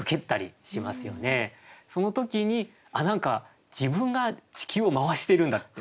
その時に何か自分が地球を廻してるんだって。